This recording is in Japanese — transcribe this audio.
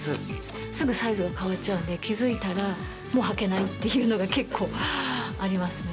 すぐサイズが変わっちゃうので、気付いたら、もう履けないっていうのが結構ありますね。